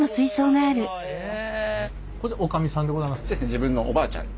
自分のおばあちゃんに。